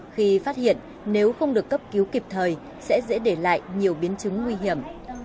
khi phát hiện nếu không được cấp cứu kịp thời sẽ dễ để lại nhiều biến chứng nguy hiểm